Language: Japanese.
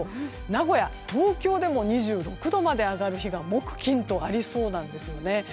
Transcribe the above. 名古屋、東京でも２６度まで上がる日が木、金とありそうなんですよね。